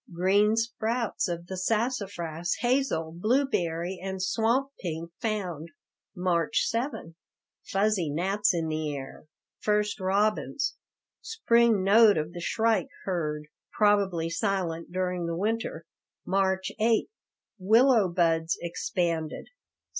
Green sprouts of the sassafras, hazel, blueberry, and swamp pink found. March 7 Fuzzy gnats in the air. First robins. Spring note of the shrike heard, probably silent during the winter. March 8 Willow buds expanded.